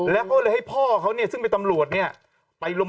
แล้วเขาเลยให้พ่อเขาซึ่งไปตำรวจนี่